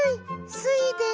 スイです。